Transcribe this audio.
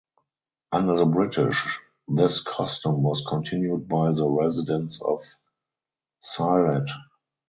Under the British this custom was continued by the Residents of Sylhet.